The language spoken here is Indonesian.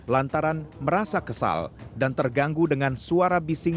lantaran merasa kesal dan terganggu dengan suara bising